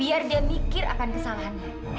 biar dia mikir akan kesalahannya